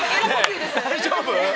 大丈夫！